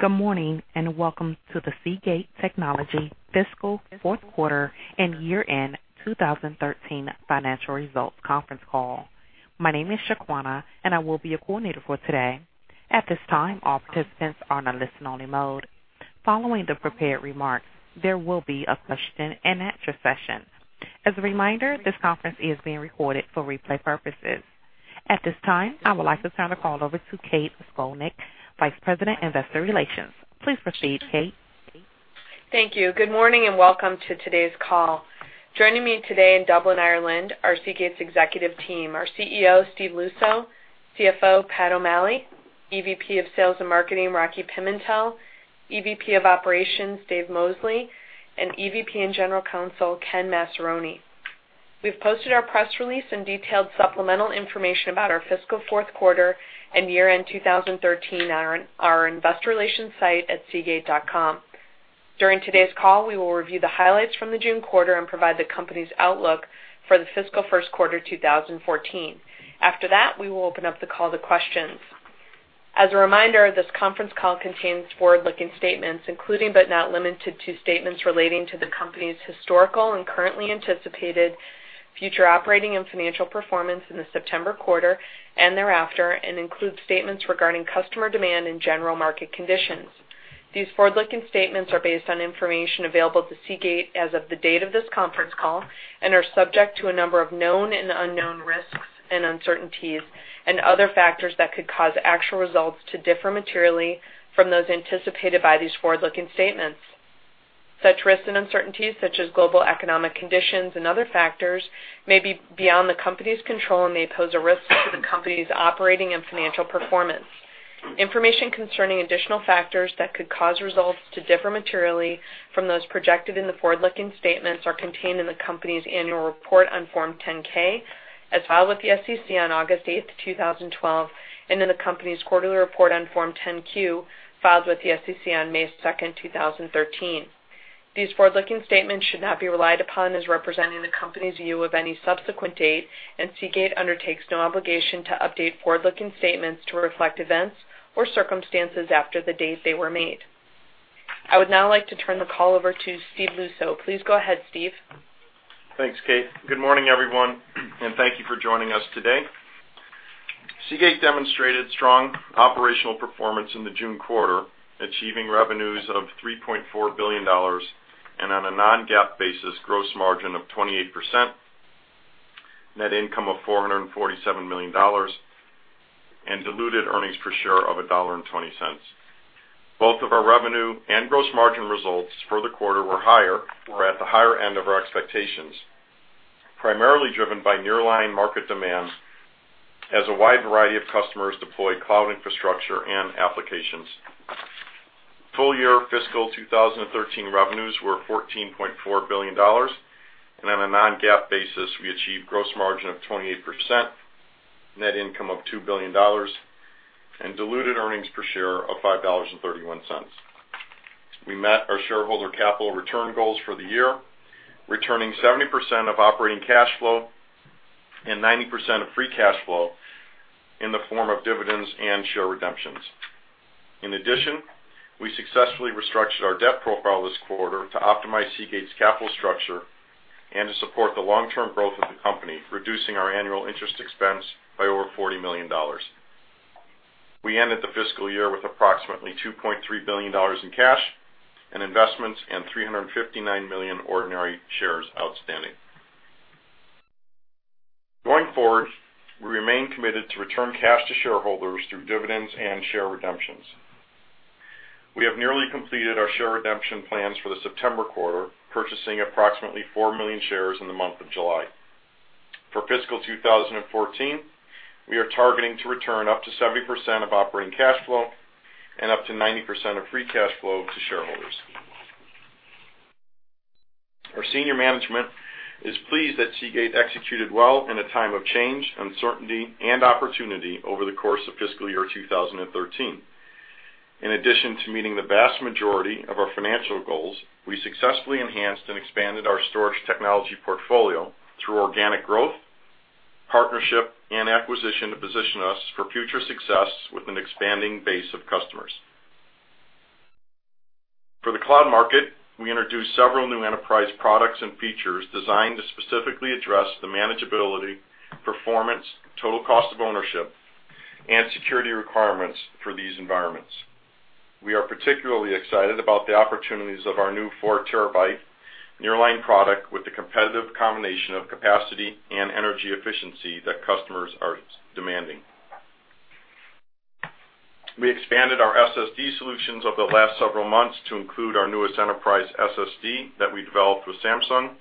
Good morning. Welcome to the Seagate Technology fiscal fourth quarter and year-end 2013 financial results conference call. My name is Shaquana, and I will be your coordinator for today. At this time, all participants are on a listen-only mode. Following the prepared remarks, there will be a question and answer session. As a reminder, this conference is being recorded for replay purposes. At this time, I would like to turn the call over to Kate Scolnick, Vice President, Investor Relations. Please proceed, Kate. Thank you. Good morning. Welcome to today's call. Joining me today in Dublin, Ireland are Seagate's executive team, our CEO, Stephen Luczo, CFO, Patrick O'Malley, EVP of Sales and Marketing, Rocky Pimentel, EVP of Operations, Dave Mosley, and EVP and General Counsel, Ken Massaroni. We've posted our press release and detailed supplemental information about our fiscal fourth quarter and year-end 2013 on our investor relations site at seagate.com. During today's call, we will review the highlights from the June quarter and provide the company's outlook for the fiscal first quarter 2014. After that, we will open up the call to questions. As a reminder, this conference call contains forward-looking statements, including, but not limited to, statements relating to the company's historical and currently anticipated future operating and financial performance in the September quarter and thereafter, and includes statements regarding customer demand and general market conditions. These forward-looking statements are based on information available to Seagate as of the date of this conference call and are subject to a number of known and unknown risks and uncertainties and other factors that could cause actual results to differ materially from those anticipated by these forward-looking statements. Such risks and uncertainties, such as global economic conditions and other factors, may be beyond the company's control and may pose a risk to the company's operating and financial performance. Information concerning additional factors that could cause results to differ materially from those projected in the forward-looking statements are contained in the company's annual report on Form 10-K, as filed with the SEC on August 8th, 2012, and in the company's quarterly report on Form 10-Q, filed with the SEC on May 2nd, 2013. These forward-looking statements should not be relied upon as representing the company's view of any subsequent date. Seagate undertakes no obligation to update forward-looking statements to reflect events or circumstances after the date they were made. I would now like to turn the call over to Stephen Luczo. Please go ahead, Steve. Thanks, Kate. Good morning, everyone, thank you for joining us today. Seagate demonstrated strong operational performance in the June quarter, achieving revenues of $3.4 billion, on a non-GAAP basis, gross margin of 28%, net income of $447 million, and diluted earnings per share of $1.20. Both of our revenue and gross margin results for the quarter were at the higher end of our expectations, primarily driven by nearline market demand as a wide variety of customers deployed cloud infrastructure and applications. Full year fiscal 2013 revenues were $14.4 billion, on a non-GAAP basis, we achieved gross margin of 28%, net income of $2 billion and diluted earnings per share of $5.31. We met our shareholder capital return goals for the year, returning 70% of operating cash flow and 90% of free cash flow in the form of dividends and share redemptions. In addition, we successfully restructured our debt profile this quarter to optimize Seagate's capital structure and to support the long-term growth of the company, reducing our annual interest expense by over $40 million. We ended the fiscal year with approximately $2.3 billion in cash and investments and 359 million ordinary shares outstanding. Going forward, we remain committed to return cash to shareholders through dividends and share redemptions. We have nearly completed our share redemption plans for the September quarter, purchasing approximately 4 million shares in the month of July. For fiscal 2014, we are targeting to return up to 70% of operating cash flow and up to 90% of free cash flow to shareholders. Our senior management is pleased that Seagate executed well in a time of change, uncertainty, and opportunity over the course of fiscal year 2013. In addition to meeting the vast majority of our financial goals, we successfully enhanced and expanded our storage technology portfolio through organic growth, partnership, and acquisition to position us for future success with an expanding base of customers. For the cloud market, we introduced several new enterprise products and features designed to specifically address the manageability, performance, total cost of ownership, and security requirements for these environments. We are particularly excited about the opportunities of our new 4 terabyte nearline product with the competitive combination of capacity and energy efficiency that customers are demanding. We expanded our SSD solutions over the last several months to include our newest enterprise SSD that we developed with Samsung,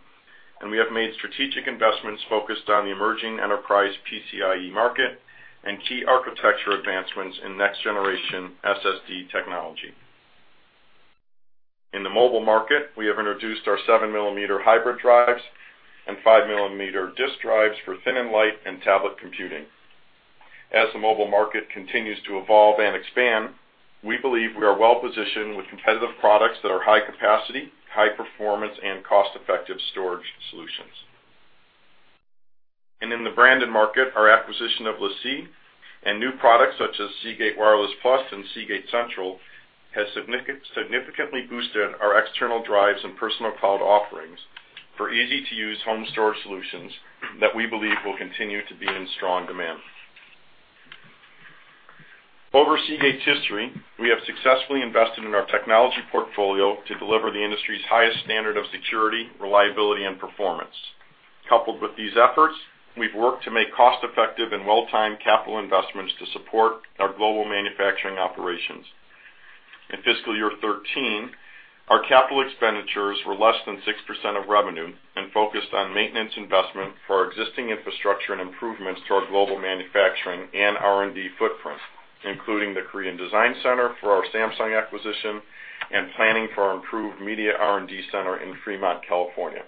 and we have made strategic investments focused on the emerging enterprise PCIe market and key architecture advancements in next-generation SSD technology. In the mobile market, we have introduced our 7-millimeter hybrid drives and 5-millimeter disk drives for thin and light and tablet computing. As the mobile market continues to evolve and expand, we believe we are well-positioned with competitive products that are high capacity, high performance, and cost-effective storage solutions. In the branded market, our acquisition of LaCie and new products such as Seagate Wireless Plus and Seagate Central has significantly boosted our external drives and personal cloud offerings for easy-to-use home storage solutions that we believe will continue to be in strong demand. Over Seagate's history, we have successfully invested in our technology portfolio to deliver the industry's highest standard of security, reliability, and performance. Coupled with these efforts, we've worked to make cost-effective and well-timed capital investments to support our global manufacturing operations. In fiscal year 2013, our capital expenditures were less than 6% of revenue and focused on maintenance investment for our existing infrastructure and improvements to our global manufacturing and R&D footprint, including the Korean Design Center for our Samsung acquisition and planning for our improved media R&D center in Fremont, California.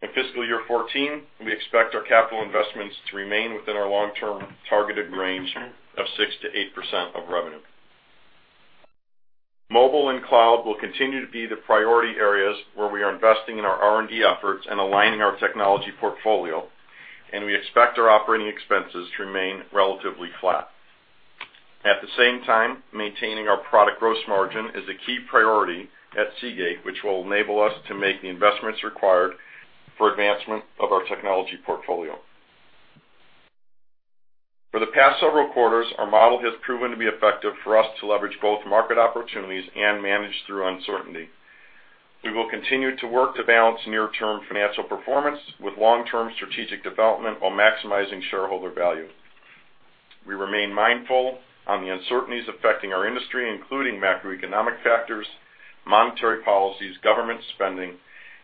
In fiscal year 2014, we expect our capital investments to remain within our long-term targeted range of 6%-8% of revenue. Mobile and cloud will continue to be the priority areas where we are investing in our R&D efforts and aligning our technology portfolio, and we expect our operating expenses to remain relatively flat. At the same time, maintaining our product gross margin is a key priority at Seagate, which will enable us to make the investments required for advancement of our technology portfolio. For the past several quarters, our model has proven to be effective for us to leverage both market opportunities and manage through uncertainty. We will continue to work to balance near-term financial performance with long-term strategic development while maximizing shareholder value. We remain mindful of the uncertainties affecting our industry, including macroeconomic factors, monetary policies, government spending,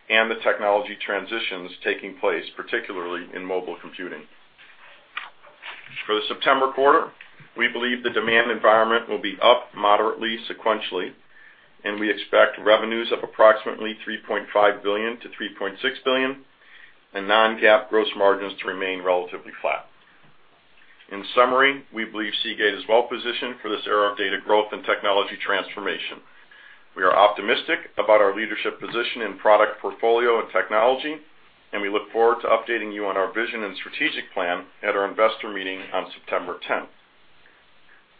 and the technology transitions taking place, particularly in mobile computing. For the September quarter, we believe the demand environment will be up moderately sequentially, and we expect revenues of approximately $3.5 billion-$3.6 billion, and non-GAAP gross margins to remain relatively flat. In summary, we believe Seagate is well positioned for this era of data growth and technology transformation. We are optimistic about our leadership position in product portfolio and technology, and we look forward to updating you on our vision and strategic plan at our investor meeting on September 10th.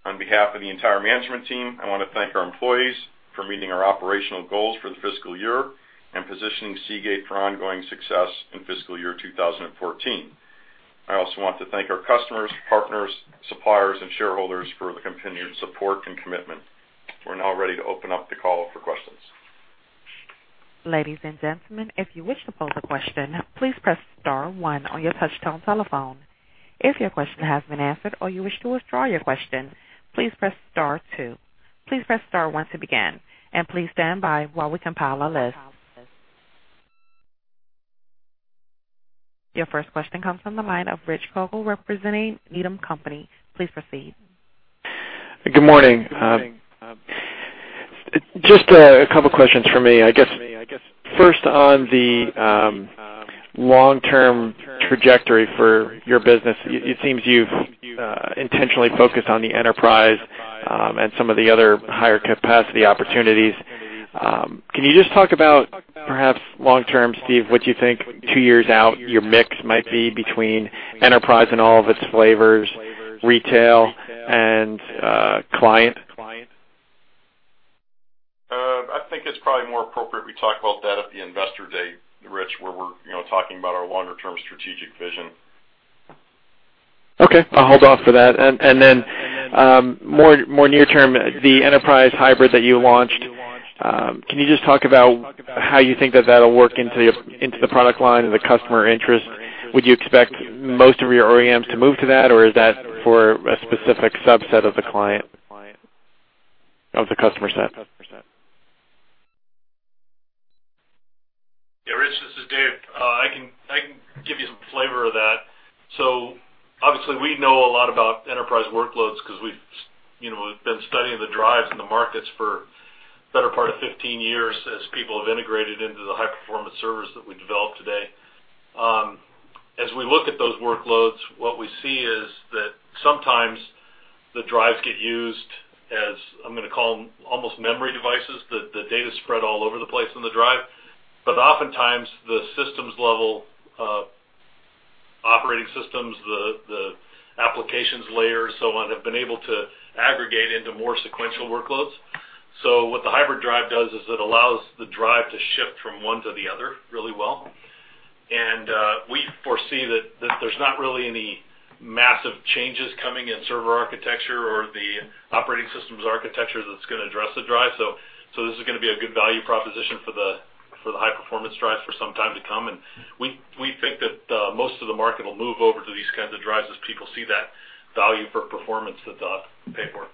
On behalf of the entire management team, I want to thank our employees for meeting our operational goals for the fiscal year and positioning Seagate for ongoing success in fiscal year 2014. I also want to thank our customers, partners, suppliers, and shareholders for the continued support and commitment. We're now ready to open up the call for questions. Ladies and gentlemen, if you wish to pose a question, please press *1 on your touch-tone telephone. If your question has been answered or you wish to withdraw your question, please press *2. Please press *1 to begin, and please stand by while we compile a list. Your first question comes from the line of Rich Kugele representing Needham & Company. Please proceed. Good morning. Just a couple of questions from me. I guess first on the long-term trajectory for your business, it seems you've intentionally focused on the enterprise and some of the other higher capacity opportunities. Can you just talk about perhaps long term, Steve, what you think two years out, your mix might be between enterprise and all of its flavors, retail, and client? I think it's probably more appropriate we talk about that at the Investor Day, Rich, where we're talking about our longer-term strategic vision. Okay. I'll hold off for that. Then, more near term, the enterprise hybrid that you launched, can you just talk about how you think that that'll work into the product line and the customer interest? Would you expect most of your OEMs to move to that, or is that for a specific subset of the customer set? Yeah, Rich, this is Dave. I can give you some flavor of that. Obviously, we know a lot about enterprise workloads because we've been studying the drives and the markets for the better part of 15 years as people have integrated into the high-performance servers that we develop today. As we look at those workloads, what we see is that sometimes the drives get used as, I'm going to call them, almost memory devices. The data is spread all over the place in the drive. Oftentimes, the systems level, operating systems, the applications layer, so on, have been able to aggregate into more sequential workloads. What the hybrid drive does is it allows the drive to shift from one to the other really well. We foresee that there's not really any massive changes coming in server architecture or the operating systems architecture that's going to address the drive. This is going to be a good value proposition for the high-performance drive for some time to come, and we think that most of the market will move over to these kinds of drives as people see that value for performance that they pay for.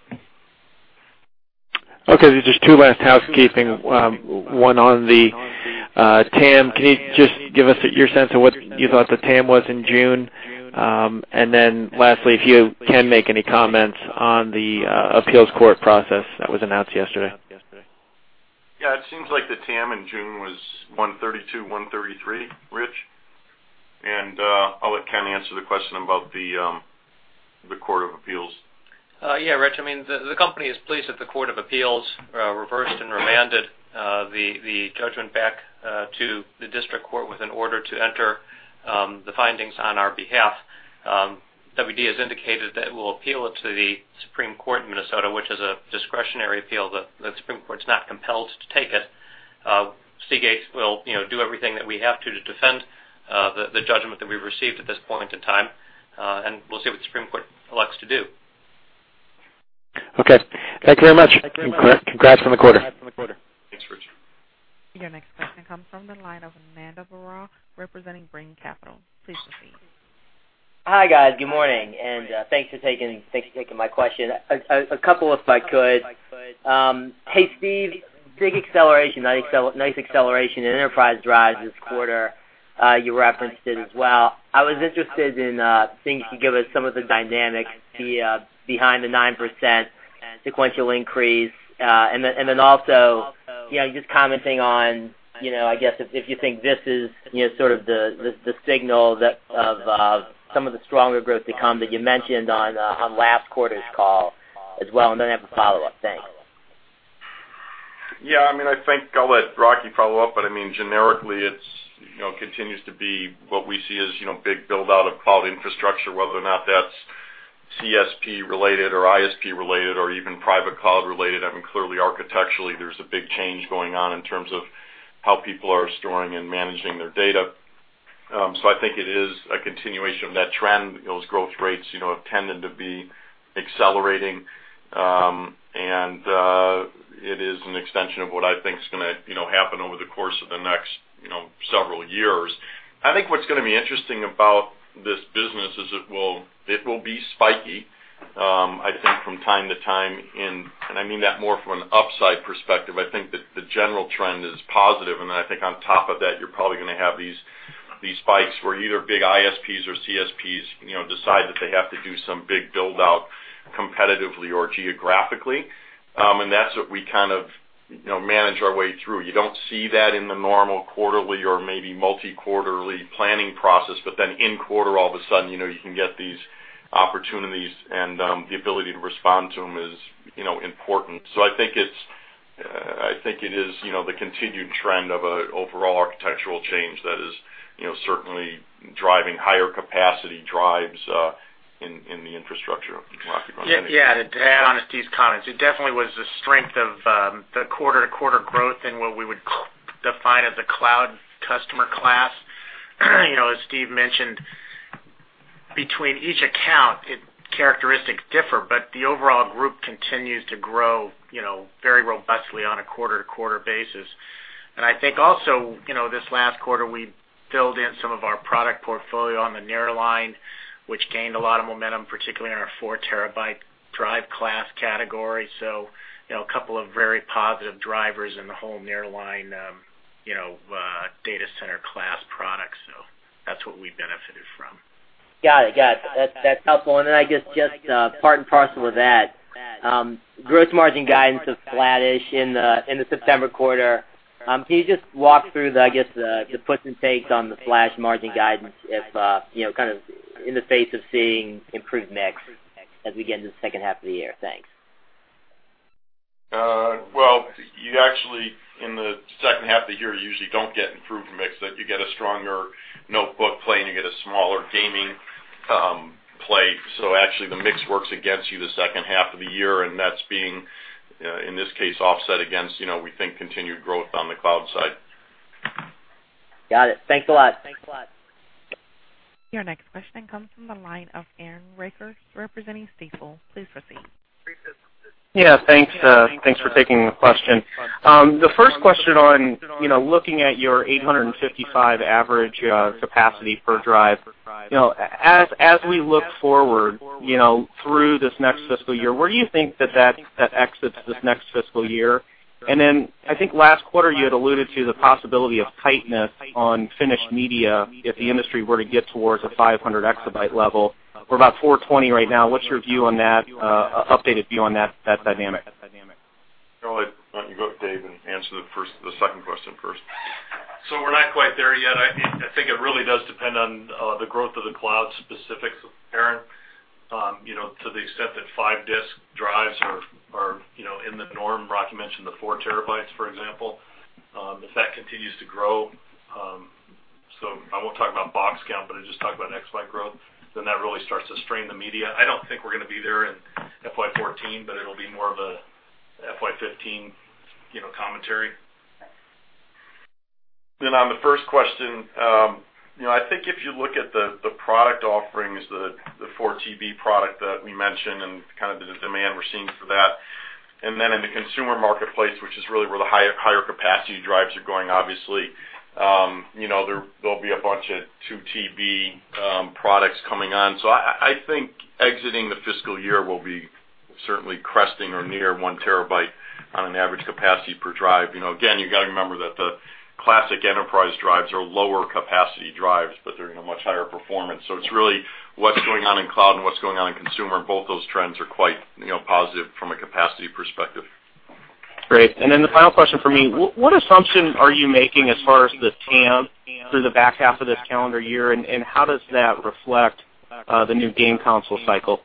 Okay. Just two last housekeeping. One on the TAM. Can you just give us your sense of what you thought the TAM was in June? Lastly, if you can make any comments on the Court of Appeals process that was announced yesterday. Yeah. It seems like the TAM in June was 132, 133, Rich. I'll let Ken answer the question about The Court of Appeals? Yeah, Rich, the company is pleased that the Court of Appeals reversed and remanded the judgment back to the district court with an order to enter the findings on our behalf. WD has indicated that it will appeal it to the Supreme Court in Minnesota, which is a discretionary appeal. The Supreme Court's not compelled to take it. Seagate will do everything that we have to defend the judgment that we've received at this point in time. We'll see what the Supreme Court elects to do. Okay. Thank you very much. Thank you very much. Congrats on the quarter. Thanks, Rich. Your next question comes from the line of Ananda Baruah representing Brean Capital. Please proceed. Hi, guys. Good morning, and thanks for taking my question. A couple if I could. Hey, Steve, big acceleration. Nice acceleration in enterprise drives this quarter, you referenced it as well. I was interested in seeing if you could give us some of the dynamics behind the 9% sequential increase. Also, just commenting on, I guess, if you think this is sort of the signal of some of the stronger growth to come that you mentioned on last quarter's call as well. I have a follow-up. Thanks. Yeah, I think I'll let Rocky follow up. Generically, it continues to be what we see as big build-out of cloud infrastructure, whether or not that's CSP related or ISP related or even private cloud related. Clearly architecturally, there's a big change going on in terms of how people are storing and managing their data. I think it is a continuation of that trend. Those growth rates have tended to be accelerating. It is an extension of what I think is going to happen over the course of the next several years. I think what's going to be interesting about this business is it will be spiky, I think, from time to time, and I mean that more from an upside perspective. I think that the general trend is positive. I think on top of that, you're probably going to have these spikes where either big ISPs or CSPs decide that they have to do some big build-out competitively or geographically. That's what we kind of manage our way through. You don't see that in the normal quarterly or maybe multi-quarterly planning process. In quarter all of a sudden, you can get these opportunities, and the ability to respond to them is important. I think it is the continued trend of an overall architectural change that is certainly driving higher capacity drives in the infrastructure. Rocky, want to finish? Yeah, to add on to Steve's comments, it definitely was the strength of the quarter-to-quarter growth in what we would define as a cloud customer class. As Steve mentioned, between each account, characteristics differ, but the overall group continues to grow very robustly on a quarter-to-quarter basis. I think also, this last quarter, we filled in some of our product portfolio on the nearline, which gained a lot of momentum, particularly in our four terabyte drive class category. A couple of very positive drivers in the whole nearline data center class products. That's what we benefited from. Got it. That's helpful. Then I guess just part and parcel of that, gross margin guidance is flattish in the September quarter. Can you just walk through, I guess, the puts and takes on the flash margin guidance, in the face of seeing improved mix as we get into the second half of the year? Thanks. Well, you actually, in the second half of the year, usually don't get improved mix, but you get a stronger notebook play, and you get a smaller gaming play. Actually, the mix works against you the second half of the year, and that's being, in this case, offset against, we think, continued growth on the cloud side. Got it. Thanks a lot. Your next question comes from the line of Aaron Rakers representing Stifel. Please proceed. Yeah. Thanks for taking the question. The first question on looking at your 855 average capacity per drive. As we look forward through this next fiscal year, where do you think that exits this next fiscal year? I think last quarter you had alluded to the possibility of tightness on finished media if the industry were to get towards a 500 exabyte level. We're about 420 right now. What's your updated view on that dynamic? Carl, why don't you go, Dave, and answer the second question first? We're not quite there yet. I think it really does depend on the growth of the cloud specifics, Aaron, to the extent that five-disk drives are in the norm. Rocky mentioned the four terabytes, for example. If that continues to grow, so I won't talk about box count, but I'll just talk about exabyte growth, then that really starts to strain the media. I don't think we're going to be there in FY 2014, but it'll be more of an FY 2015 commentary. On the first question, I think if you look at the product offerings, the 4 TB product that we mentioned and the demand we're seeing for that, in the consumer marketplace, which is really where the higher capacity drives are going, obviously, there'll be a bunch of 2 TB products coming on. I think exiting the fiscal year will be certainly cresting or near 1 terabyte on an average capacity per drive. Again, you got to remember that the classic enterprise drives are lower capacity drives, but they're in a much higher performance. It's really what's going on in cloud and what's going on in consumer, both those trends are quite positive from a capacity perspective. Great. The final question for me, what assumption are you making as far as the TAM through the back half of this calendar year, and how does that reflect the new game console cycle?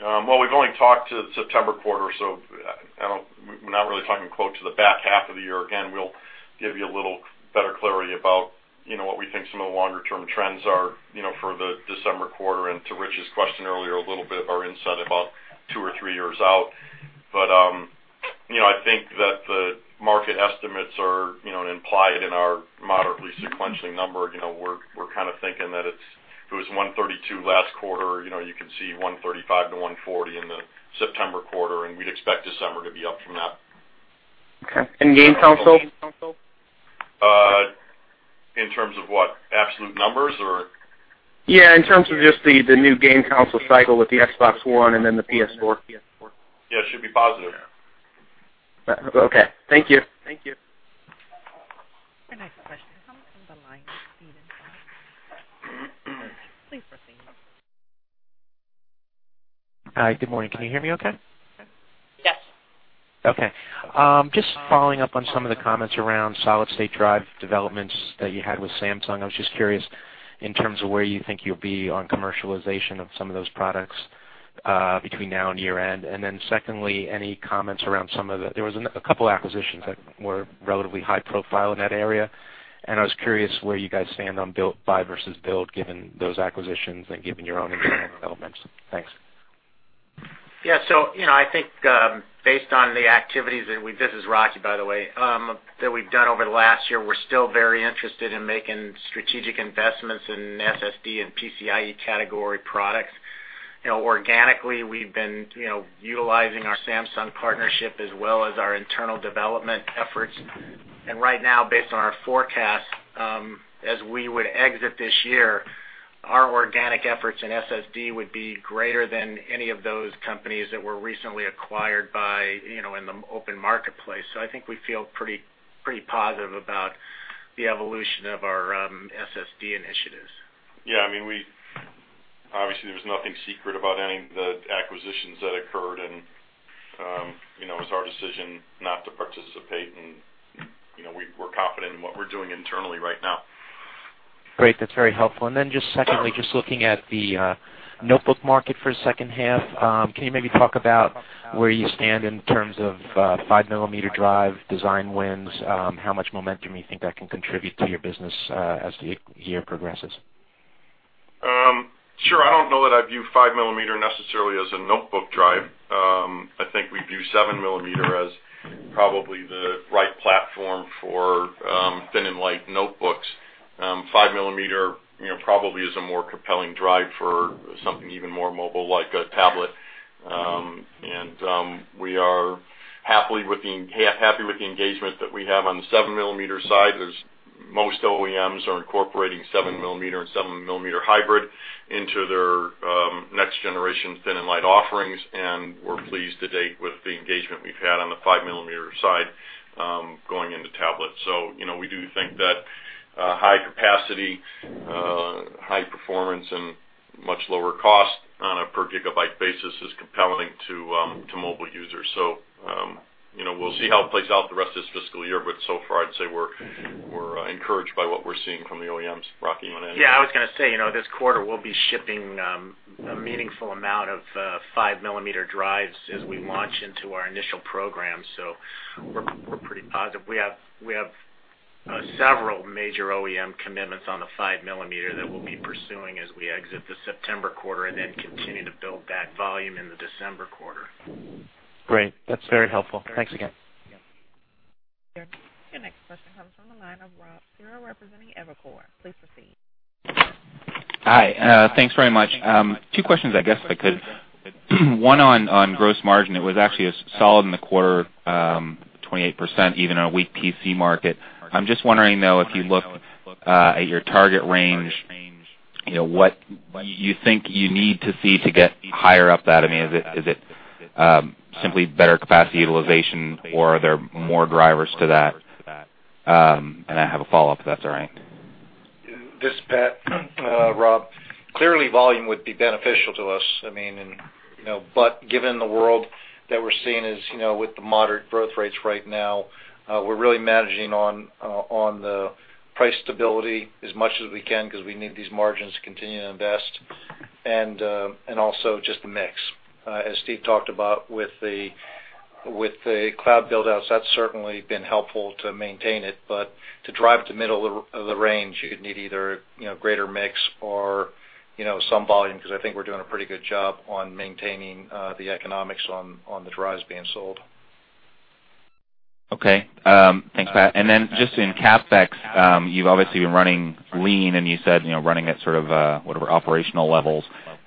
Well, we've only talked to the September quarter, we're not really talking quote to the back half of the year. Again, we'll give you a little better clarity about what we think some of the longer-term trends are for the December quarter, to Rich's question earlier, a little bit of our insight about two or three years out. I think that the market estimates are implied in our moderately sequential number. We're kind of thinking that if it was 132 last quarter, you could see 135-140 in the September quarter, we'd expect December to be up from that. Okay. Game console? In terms of what? Absolute numbers or? Yeah, in terms of just the new game console cycle with the Xbox One and then the PS4. Yeah, it should be positive. Okay. Thank you. Your next question comes from the line of Stephen. Please proceed. Hi. Good morning. Can you hear me okay? Yes. Okay. Just following up on some of the comments around solid-state drive developments that you had with Samsung. Then secondly, any comments around there was a couple of acquisitions that were relatively high profile in that area, and I was curious where you guys stand on buy versus build, given those acquisitions and given your own internal developments. Thanks. Yeah. I think based on the activities that this is Rocky, by the way, that we've done over the last year, we're still very interested in making strategic investments in SSD and PCIe category products. Organically, we've been utilizing our Samsung partnership as well as our internal development efforts. Right now, based on our forecast, as we would exit this year, our organic efforts in SSD would be greater than any of those companies that were recently acquired in the open marketplace. I think we feel pretty positive about the evolution of our SSD initiatives. Yeah. Obviously, there's nothing secret about any of the acquisitions that occurred, and it was our decision not to participate, and we're confident in what we're doing internally right now. Great. That's very helpful. Just secondly, just looking at the notebook market for second half, can you maybe talk about where you stand in terms of five-millimeter drive design wins? How much momentum you think that can contribute to your business as the year progresses? Sure. I don't know that I view five millimeter necessarily as a notebook drive. I think we view seven millimeter as probably the right platform for thin and light notebooks. Five millimeter probably is a more compelling drive for something even more mobile, like a tablet. We are happy with the engagement that we have on the seven millimeter side. Most OEMs are incorporating seven millimeter and seven millimeter hybrid into their next generation thin and light offerings, and we're pleased to date with the engagement we've had on the five millimeter side going into tablets. We do think that high capacity, high performance, and much lower cost on a per gigabyte basis is compelling to mobile users. We'll see how it plays out the rest of this fiscal year, but so far, I'd say we're encouraged by what we're seeing from the OEMs. Rocky, you want to add anything? Yeah. I was going to say, this quarter, we'll be shipping a meaningful amount of five millimeter drives as we launch into our initial program. We're pretty positive. We have several major OEM commitments on the five millimeter that we'll be pursuing as we exit the September quarter and then continue to build that volume in the December quarter. Great. That's very helpful. Thanks again. Your next question comes from the line of Rob Cihra, representing Evercore. Please proceed. Hi. Thanks very much. Two questions, I guess, if I could. One on gross margin. It was actually solid in the quarter, 28%, even in a weak PC market. I'm just wondering, though, if you look at your target range, what you think you need to see to get higher up that? Is it simply better capacity utilization, or are there more drivers to that? I have a follow-up if that's all right. This is Pat. Rob, clearly volume would be beneficial to us. Given the world that we're seeing with the moderate growth rates right now, we're really managing on the price stability as much as we can because we need these margins to continue to invest. Also just the mix. As Steve talked about with the cloud build-outs, that's certainly been helpful to maintain it, but to drive to the middle of the range, you'd need either greater mix or some volume because I think we're doing a pretty good job on maintaining the economics on the drives being sold. Okay. Thanks, Pat. Then just in CapEx, you've obviously been running lean, and you said running at sort of whatever operational levels.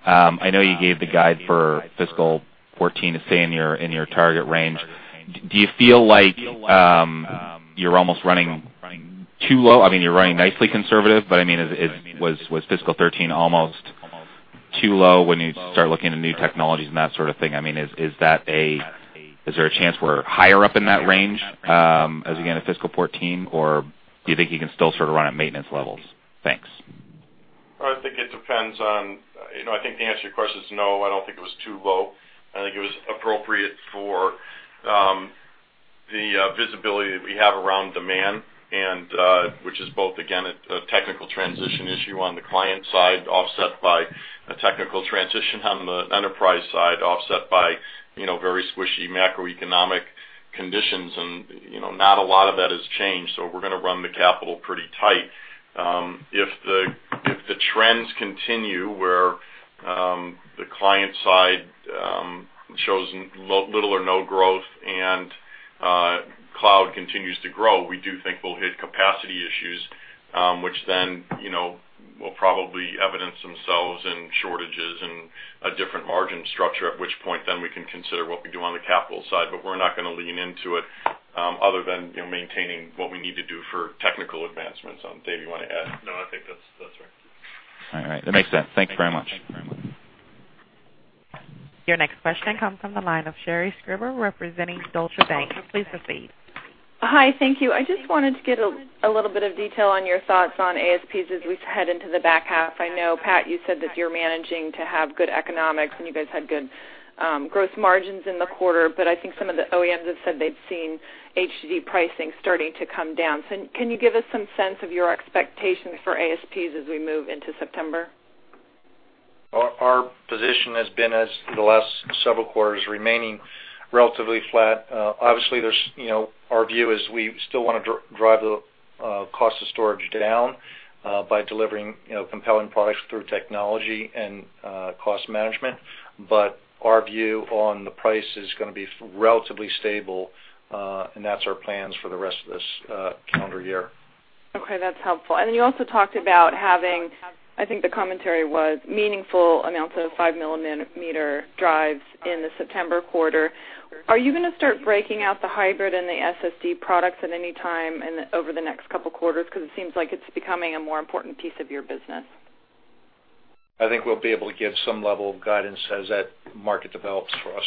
I know you gave the guide for fiscal 2014 to stay in your target range. Do you feel like you're almost running too low? You're running nicely conservative, but was fiscal 2013 almost too low when you start looking at new technologies and that sort of thing? Is there a chance we're higher up in that range as we get into fiscal 2014, or do you think you can still sort of run at maintenance levels? Thanks. I think the answer to your question is no, I don't think it was too low. I think it was appropriate for the visibility that we have around demand, which is both, again, a technical transition issue on the client side, offset by a technical transition on the enterprise side, offset by very squishy macroeconomic conditions. Not a lot of that has changed. We're going to run the capital pretty tight. If the trends continue, where the client side shows little or no growth and cloud continues to grow, we do think we'll hit capacity issues, which then will probably evidence themselves in shortages and a different margin structure, at which point then we can consider what we do on the capital side. We're not going to lean into it other than maintaining what we need to do for technical advancements. Dave, you want to add? No, I think that's right. All right. That makes sense. Thank you very much. Your next question comes from the line of Sherri Scribner representing Deutsche Bank. Please proceed. Hi, thank you. I just wanted to get a little bit of detail on your thoughts on ASPs as we head into the back half. I know, Pat, you said that you're managing to have good economics, and you guys had good gross margins in the quarter. I think some of the OEMs have said they've seen HDD pricing starting to come down. Can you give us some sense of your expectations for ASPs as we move into September? Our position has been as the last several quarters remaining relatively flat. Obviously, our view is we still want to drive the cost of storage down by delivering compelling products through technology and cost management. Our view on the price is going to be relatively stable, and that's our plans for the rest of this calendar year. Okay, that's helpful. You also talked about having, I think the commentary was meaningful amounts of 5-millimeter drives in the September quarter. Are you going to start breaking out the hybrid and the SSD products at any time over the next couple of quarters? It seems like it's becoming a more important piece of your business. I think we'll be able to give some level of guidance as that market develops for us.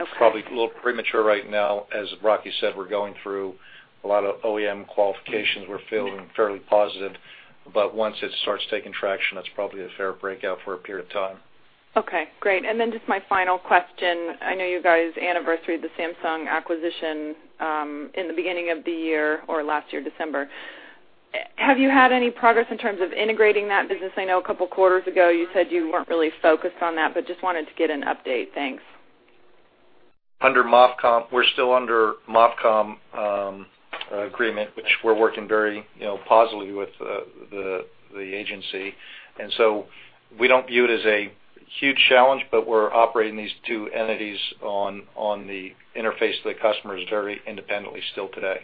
Okay. Probably a little premature right now. As Rocky said, we're going through a lot of OEM qualifications. We're feeling fairly positive, once it starts taking traction, that's probably a fair breakout for a period of time. Okay, great. Just my final question, I know you guys anniversaried the Samsung acquisition in the beginning of the year or last year, December. Have you had any progress in terms of integrating that business? I know a couple of quarters ago you said you weren't really focused on that, just wanted to get an update. Thanks. We're still under MOFCOM agreement, which we're working very positively with the agency. We don't view it as a huge challenge, but we're operating these two entities on the interface to the customers very independently still today.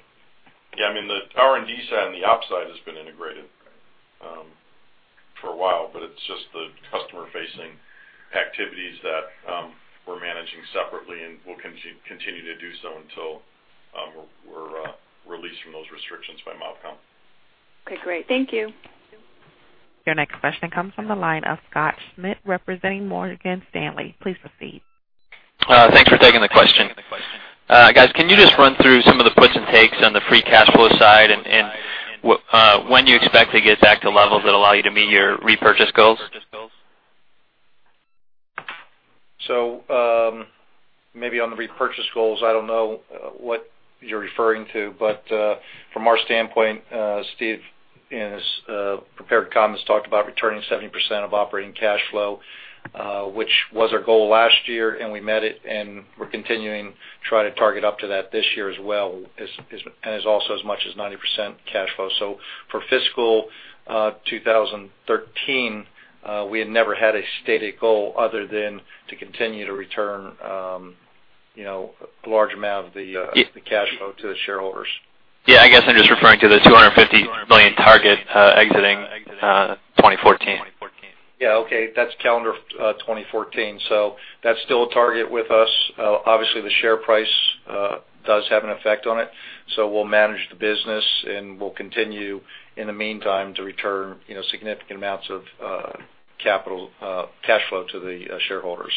Yeah, the R&D side and the op side has been integrated for a while, but it's just the customer-facing activities that we're managing separately, and we'll continue to do so until we're released from those restrictions by MOFCOM. Okay, great. Thank you. Your next question comes from the line of Katy Huberty representing Morgan Stanley. Please proceed. Thanks for taking the question. Guys, can you just run through some of the puts and takes on the free cash flow side and when you expect to get back to levels that allow you to meet your repurchase goals? Maybe on the repurchase goals, I don't know what you're referring to, but from our standpoint, Steve, in his prepared comments, talked about returning 70% of operating cash flow, which was our goal last year, and we met it, and we're continuing to try to target up to that this year as well, and is also as much as 90% cash flow. For fiscal 2013, we had never had a stated goal other than to continue to return a large amount of the cash flow to the shareholders. Yeah, I guess I'm just referring to the $250 million target exiting 2014. Yeah. Okay. That's calendar 2014. That's still a target with us. Obviously, the share price does have an effect on it, so we'll manage the business, and we'll continue in the meantime to return significant amounts of capital cash flow to the shareholders.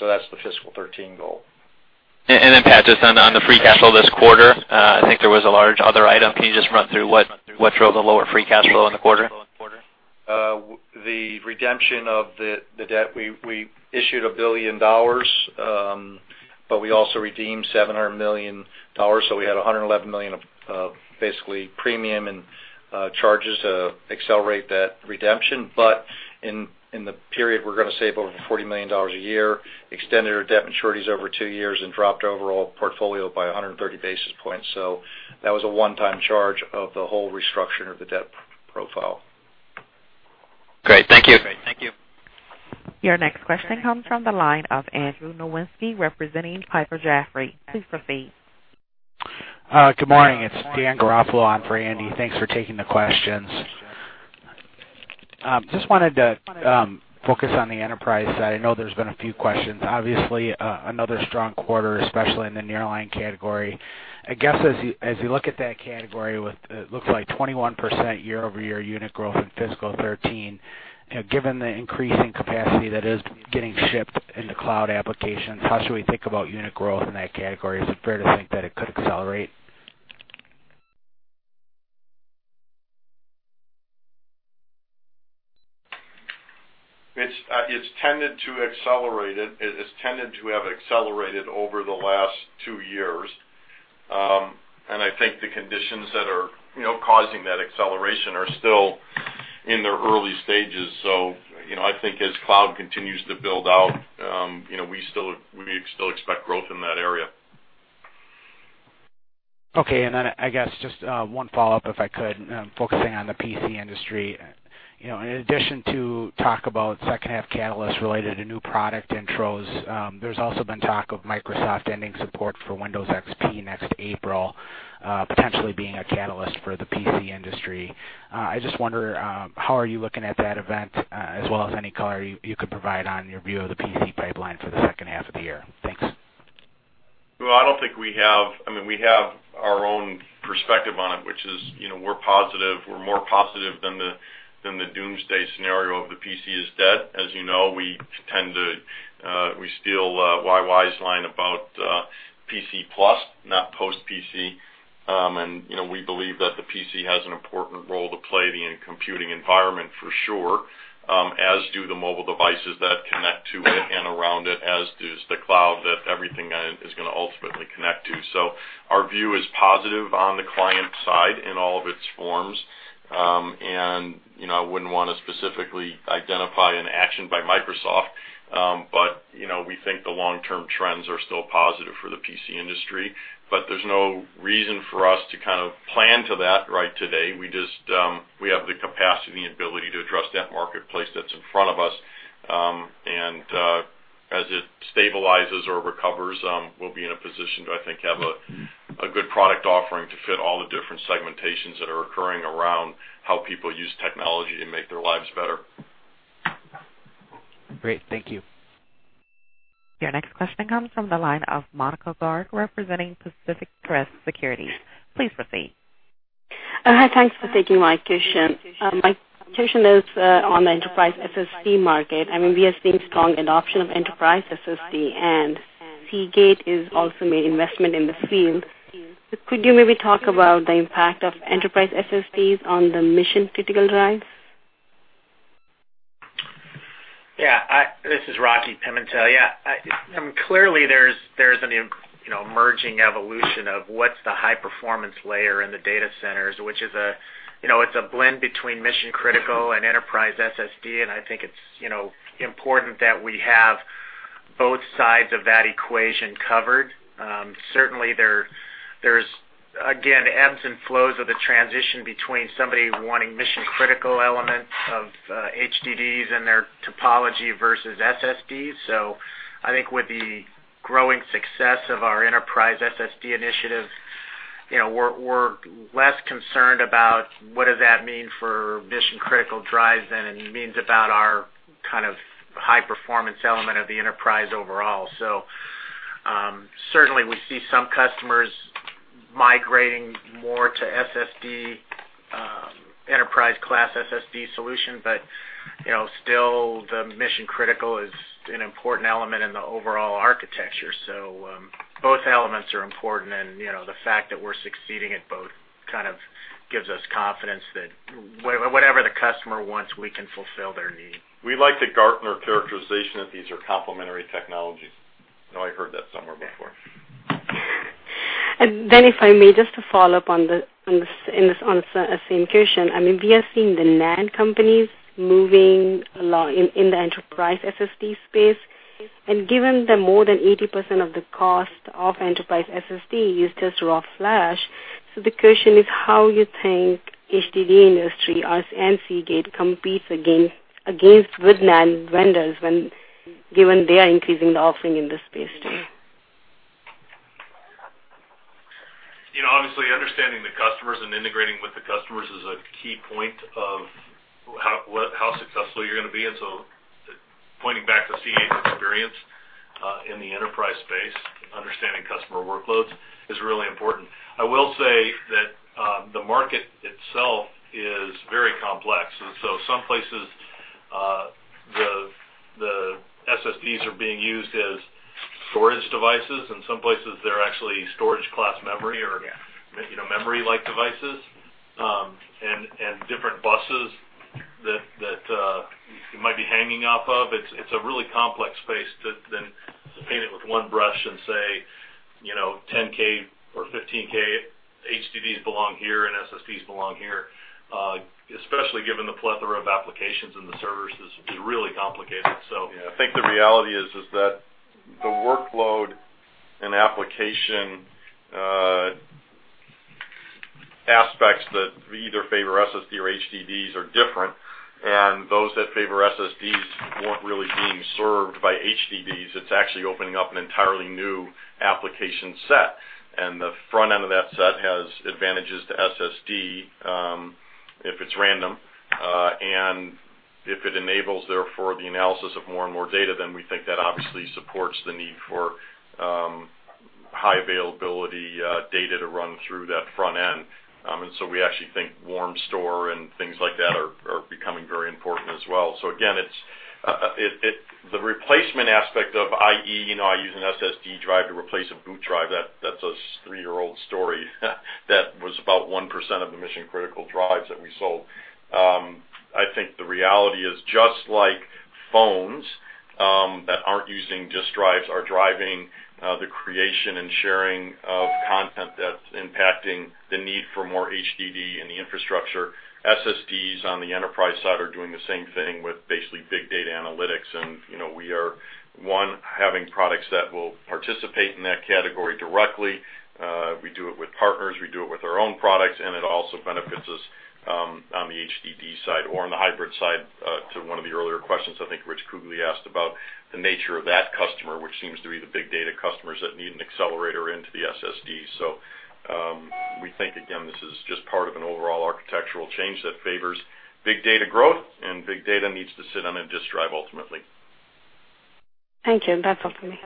That's the fiscal 2013 goal. Pat, just on the free cash flow this quarter, I think there was a large other item. Can you just run through what drove the lower free cash flow in the quarter? The redemption of the debt. We issued $1 billion, but we also redeemed $700 million, so we had $111 million of basically premium and charges to accelerate that redemption. In the period, we're going to save over $40 million a year, extended our debt maturities over two years and dropped overall portfolio by 130 basis points. That was a one-time charge of the whole restructuring of the debt profile. Great. Thank you. Your next question comes from the line of Andrew Nowinski representing Piper Jaffray. Please proceed. Good morning. It's Dan Garofalo on for Andy. Thanks for taking the questions. Just wanted to focus on the enterprise side. I know there's been a few questions. Obviously, another strong quarter, especially in the nearline category. I guess as you look at that category with, it looks like 21% year-over-year unit growth in fiscal 2013, given the increasing capacity that is getting shipped into cloud applications, how should we think about unit growth in that category? Is it fair to think that it could accelerate? It's tended to have accelerated over the last two years. I think the conditions that are causing that acceleration are still in their early stages. I think as cloud continues to build out, we still expect growth in that area. Okay. I guess just one follow-up, if I could, focusing on the PC industry. In addition to talk about second half catalysts related to new product intros, there's also been talk of Microsoft ending support for Windows XP next April, potentially being a catalyst for the PC industry. I just wonder, how are you looking at that event, as well as any color you could provide on your view of the PC pipeline for the second half of the year? Thanks. Well, we have our own perspective on it, which is we're more positive than the doomsday scenario of the PC is dead. As you know, we steal YY's line about PC plus, not post PC. We believe that the PC has an important role to play in the computing environment for sure, as do the mobile devices that connect to it and around it, as does the cloud that everything is going to ultimately connect to. Our view is positive on the client side in all of its forms. I wouldn't want to specifically identify an action by Microsoft, but we think the long-term trends are still positive for the PC industry. There's no reason for us to plan to that right today. We have the capacity and ability to address that marketplace that's in front of us. As it stabilizes or recovers, we'll be in a position to, I think, have a good product offering to fit all the different segmentations that are occurring around how people use technology to make their lives better. Great. Thank you. Your next question comes from the line of Monika Garg, representing Pacific Crest Securities. Please proceed. Hi. Thanks for taking my question. My question is on the enterprise SSD market. We are seeing strong adoption of enterprise SSD, and Seagate has also made investment in this field. Could you maybe talk about the impact of enterprise SSDs on the mission-critical drives? Yeah. This is Rocky Pimentel. Clearly there's an emerging evolution of what's the high-performance layer in the data centers, which is a blend between mission-critical and enterprise SSD, and I think it's important that we have both sides of that equation covered. Certainly there's, again, ebbs and flows of the transition between somebody wanting mission-critical elements of HDDs and their topology versus SSDs. I think with the growing success of our enterprise SSD initiatives, we're less concerned about what does that mean for mission-critical drives than it means about our kind of high-performance element of the enterprise overall. Certainly we see some customers migrating more to enterprise-class SSD solution, but still the mission-critical is an important element in the overall architecture. Both elements are important, and the fact that we're succeeding at both kind of gives us confidence that whatever the customer wants, we can fulfill their need. We like the Gartner characterization that these are complementary technologies. I know I heard that somewhere before. Then, if I may, just to follow up on the same question, we are seeing the NAND companies moving a lot in the enterprise SSD space. Given that more than 80% of the cost of enterprise SSD is just raw flash, the question is how you think HDD industry or Seagate competes against with NAND vendors when given they are increasing the offering in this space too? Obviously, understanding the customers and integrating with the customers is a key point of how successful you're going to be. Pointing back to Seagate's experience in the enterprise space, understanding customer workloads is really important. I will say that the market itself is very complex. Some places the SSDs are being used as storage devices, and some places they're actually storage class memory or memory-like devices, and different buses that it might be hanging off of. It's a really complex space to then paint it with one brush and say 10K or 15K HDDs belong here and SSDs belong here, especially given the plethora of applications in the servers is really complicated. Yeah, I think the reality is that the workload and application aspects that either favor SSD or HDDs are different, and those that favor SSDs weren't really being served by HDDs. It's actually opening up an entirely new application set, and the front end of that set has advantages to SSD, if it's random. If it enables, therefore, the analysis of more and more data, we think that obviously supports the need for High availability data to run through that front end. We actually think warm store and things like that are becoming very important as well. Again, the replacement aspect of i.e., I use an SSD drive to replace a boot drive, that's a three-year-old story that was about 1% of the mission-critical drives that we sold. I think the reality is just like phones that aren't using disk drives are driving the creation and sharing of content that's impacting the need for more HDD in the infrastructure. SSDs on the enterprise side are doing the same thing with basically big data analytics. We are, one, having products that will participate in that category directly. We do it with partners, we do it with our own products. It also benefits us on the HDD side or on the hybrid side to one of the earlier questions I think Rich Kugele asked about the nature of that customer, which seems to be the big data customers that need an accelerator into the SSD. We think, again, this is just part of an overall architectural change that favors big data growth. Big data needs to sit on a disk drive ultimately. Thank you. That's all for me.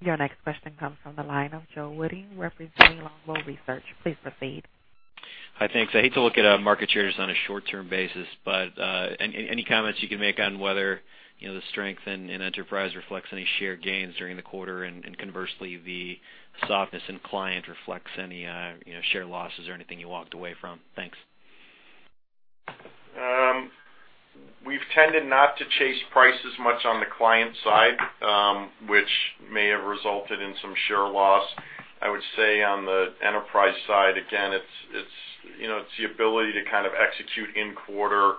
Your next question comes from the line of Joe Wittine, representing Longbow Research. Please proceed. Hi. Thanks. I hate to look at market shares on a short-term basis, but any comments you can make on whether the strength in enterprise reflects any share gains during the quarter, and conversely, the softness in client reflects any share losses or anything you walked away from? Thanks. We've tended not to chase prices much on the client side, which may have resulted in some share loss. I would say on the enterprise side, again, it's the ability to execute in quarter.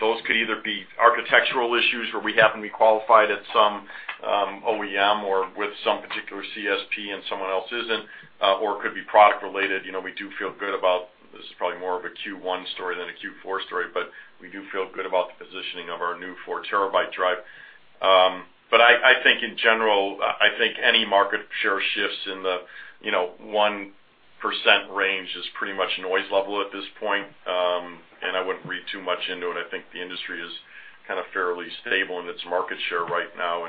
Those could either be architectural issues where we happen to be qualified at some OEM or with some particular CSP and someone else isn't, or it could be product related. We do feel good about, this is probably more of a Q1 story than a Q4 story, but we do feel good about the positioning of our new 4-terabyte drive. I think in general, I think any market share shifts in the 1% range is pretty much noise level at this point, and I wouldn't read too much into it. I think the industry is fairly stable in its market share right now,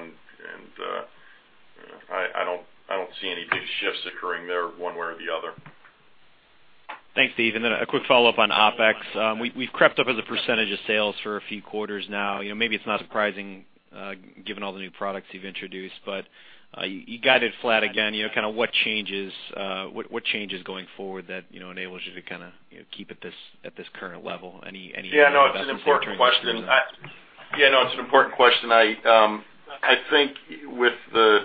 I don't see any big shifts occurring there one way or the other. Thanks, Steve, then a quick follow-up on OpEx. We've crept up as a % of sales for a few quarters now. Maybe it's not surprising given all the new products you've introduced, you got it flat again. What changes going forward that enables you to keep at this current level? Yeah, no, it's an important question. I think with the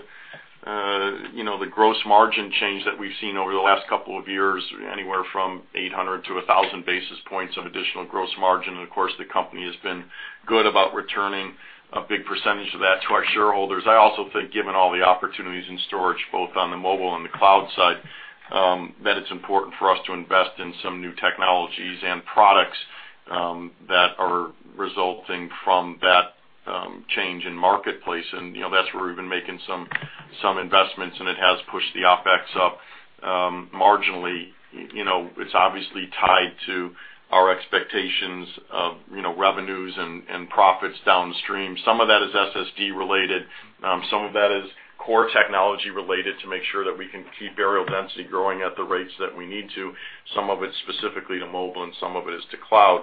gross margin change that we've seen over the last couple of years, anywhere from 800-1,000 basis points of additional gross margin, and of course, the company has been good about returning a big % of that to our shareholders. I also think given all the opportunities in storage, both on the mobile and the cloud side, that it's important for us to invest in some new technologies and products that are resulting from that change in marketplace. That's where we've been making some investments, and it has pushed the OpEx up marginally. It's obviously tied to our expectations of revenues and profits downstream. Some of that is SSD related. Some of that is core technology related to make sure that we can keep areal density growing at the rates that we need to. Some of it's specifically to mobile, and some of it is to cloud.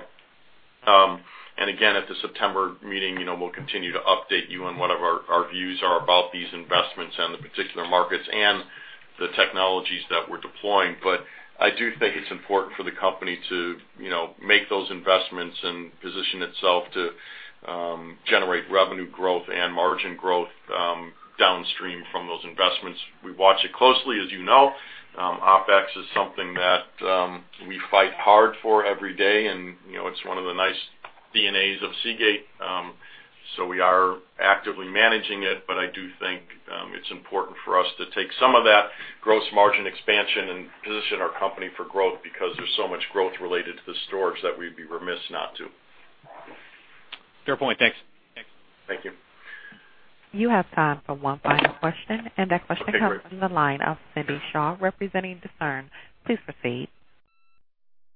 Again, at the September meeting, we'll continue to update you on what our views are about these investments and the particular markets, and the technologies that we're deploying. I do think it's important for the company to make those investments and position itself to generate revenue growth and margin growth downstream from those investments. We watch it closely. As you know, OpEx is something that we fight hard for every day, and it's one of the nice DNAs of Seagate. We are actively managing it, but I do think it's important for us to take some of that gross margin expansion and position our company for growth because there's so much growth related to the storage that we'd be remiss not to. Fair point. Thanks. Thank you. You have time for one final question. That question comes from the line of Cind Shaw, representing Discern. Please proceed.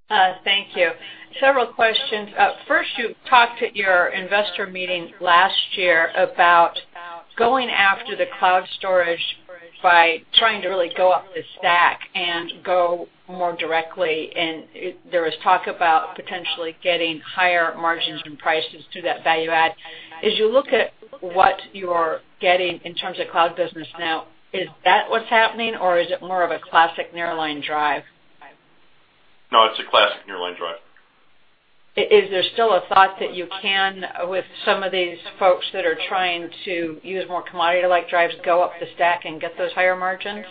Thank you. Several questions. First, you talked at your investor meeting last year about going after the cloud storage by trying to really go up the stack and go more directly. There was talk about potentially getting higher margins and prices through that value add. As you look at what you're getting in terms of cloud business now, is that what's happening, or is it more of a classic nearline drive? No, it's a classic nearline drive. Is there still a thought that you can, with some of these folks that are trying to use more commodity-like drives, go up the stack and get those higher margins?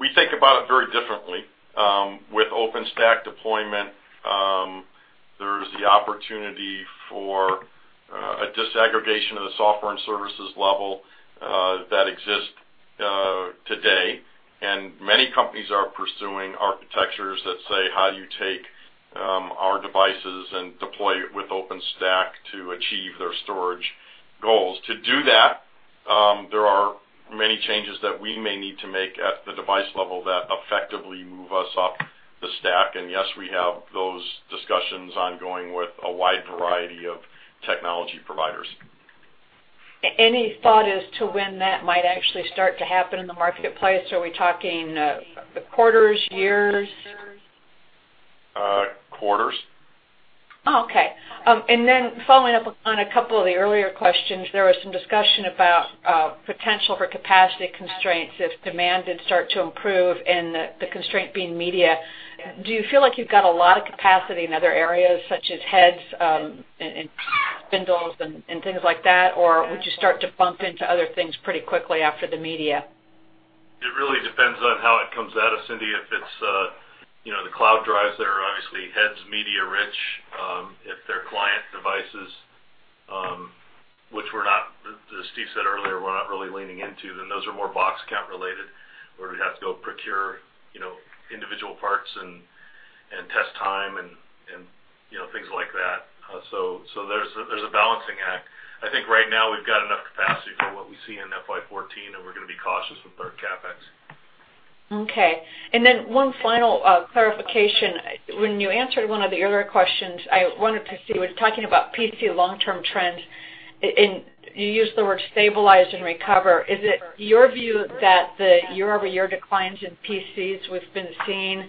We think about it very differently. With OpenStack deployment, there's the opportunity for a disaggregation of the software and services level that exists today. Many companies are pursuing architectures that say, how do you take our devices and deploy it with OpenStack to achieve their storage goals? To do that, there are many changes that we may need to make at the device level that effectively move us up the stack. Yes, we have those discussions ongoing with a wide variety of technology providers. Any thought as to when that might actually start to happen in the marketplace? Are we talking quarters, years? Quarters. Okay. Following up on a couple of the earlier questions, there was some discussion about potential for capacity constraints if demand did start to improve and the constraint being media. Do you feel like you've got a lot of capacity in other areas, such as heads, and spindles, and things like that? Would you start to bump into other things pretty quickly after the media? It really depends on how it comes at us, Cindi. If it's the cloud drives that are obviously heads media rich, if they're client devices, which as Steve said earlier, we're not really leaning into, then those are more box count related where we'd have to go procure individual parts and test time and things like that. There's a balancing act. I think right now we've got enough capacity for what we see in FY 2014, and we're going to be cautious with our CapEx. Okay. One final clarification. When you answered one of the earlier questions, I wanted to see, was talking about PC long-term trends, and you used the word stabilize and recover. Is it your view that the year-over-year declines in PCs we've been seeing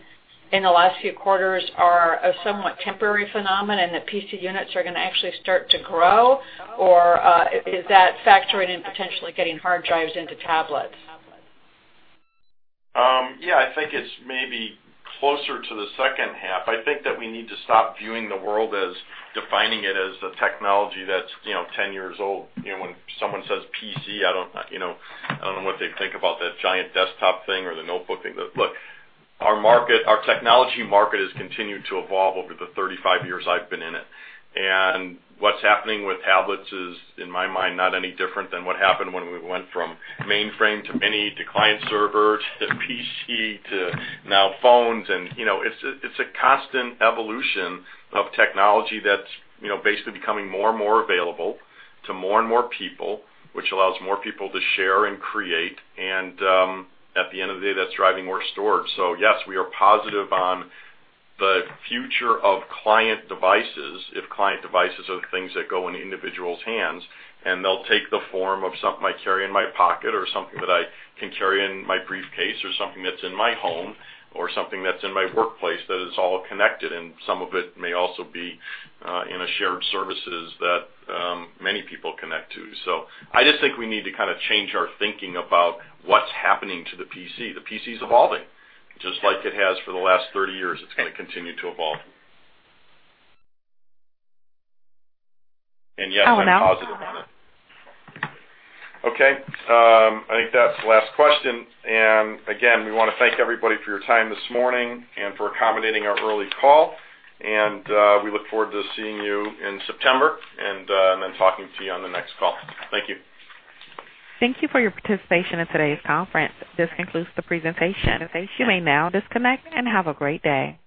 in the last few quarters are a somewhat temporary phenomenon and that PC units are going to actually start to grow, or is that factored in potentially getting hard drives into tablets? Yeah, I think it's maybe closer to the second half. I think that we need to stop viewing the world as defining it as a technology that's 10 years old. When someone says PC, I don't know what they think about that giant desktop thing or the notebook thing. Look, our technology market has continued to evolve over the 35 years I've been in it. What's happening with tablets is, in my mind, not any different than what happened when we went from mainframe to mini, to client server, to PC, to now phones. It's a constant evolution of technology that's basically becoming more and more available to more and more people, which allows more people to share and create. At the end of the day, that's driving more storage. Yes, we are positive on the future of client devices, if client devices are the things that go in individuals' hands, and they'll take the form of something I carry in my pocket or something that I can carry in my briefcase or something that's in my home or something that's in my workplace, that it's all connected. Some of it may also be in a shared services that many people connect to. I just think we need to change our thinking about what's happening to the PC. The PC's evolving. Just like it has for the last 30 years, it's going to continue to evolve. Yes, I'm positive on it. Okay. I think that's the last question. Again, we want to thank everybody for your time this morning and for accommodating our early call. We look forward to seeing you in September and then talking to you on the next call. Thank you. Thank you for your participation in today's conference. This concludes the presentation. You may now disconnect, and have a great day.